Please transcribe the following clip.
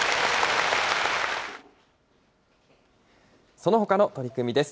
そのほかの取組です。